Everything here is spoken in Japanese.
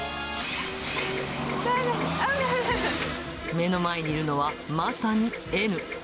目の前にいるのは、まさにＮ。